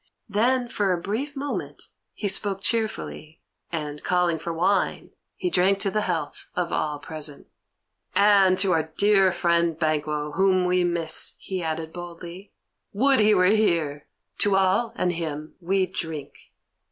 Then, for a brief moment, he spoke cheerfully, and, calling for wine, he drank to the health of all present. "And to our dear friend Banquo, whom we miss," he added boldly. "Would he were here! To all, and him, we drink!"